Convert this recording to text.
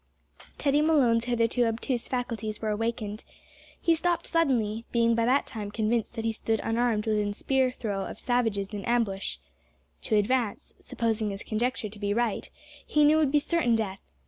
Teddy Malone's hitherto obtuse faculties were awakened. He stopped suddenly, being by that time convinced that he stood unarmed within spear throw of savages in ambush. To advance, supposing his conjecture to be right, he knew would be certain death.